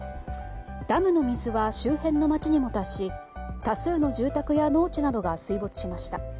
ダムの水は周辺の街にも達し多数の住宅や農地などが水没しました。